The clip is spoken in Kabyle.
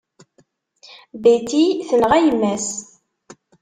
Betty tenɣa yemma-s.